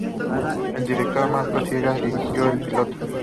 El director Marcos Siega dirigió el piloto.